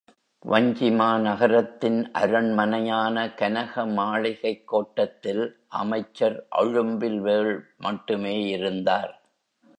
வஞ்சிமாநகரத்தின் அரண்மனையான கனக மாளிகைக் கோட்டத்தில் அமைச்சர் அழும்பில்வேள் மட்டுமே இருந்தார்.